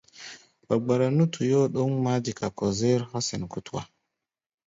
Wa gbara nú tuyóo ɗǒŋ ŋamá dika kɔ-zér hɔ́ sɛn kútua.